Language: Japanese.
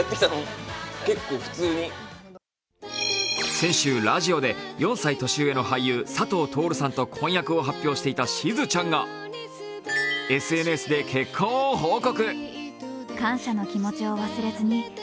先週ラジオで４歳年上の俳優佐藤達さんと婚約を発表していたしずちゃんがＳＮＳで結婚を報告。